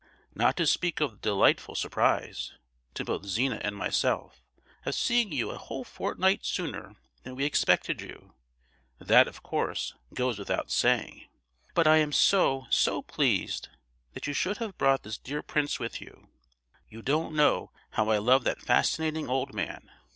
Not to speak of the delightful surprise—to both Zina and myself—of seeing you a whole fortnight sooner than we expected you—that, of course, 'goes without saying'; but I am so, so pleased that you should have brought this dear prince with you. You don't know how I love that fascinating old man.